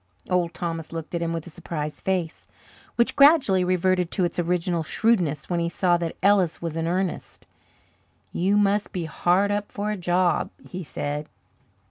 Old Thomas looked at him with a surprised face, which gradually reverted to its original shrewdness when he saw that Ellis was in earnest. "You must be hard up for a job," he said.